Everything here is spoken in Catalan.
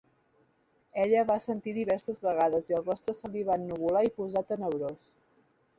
Ella va assentir diverses vegades i el rostre se li ennuvolar i posar tenebrós.